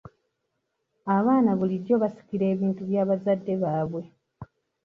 Abaana bulijjo basikira ebintu by'abazadde baabwe.